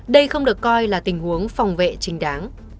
đây không được coi là tình huống phòng vệ trình đáng